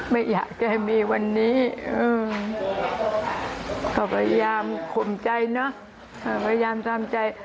ไม่อยากจะมีวันนี้ก็พยายามข่มใจเนอะพยายามทำใจ